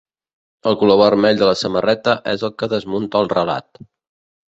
El color vermell de la samarreta és el que desmunta el relat.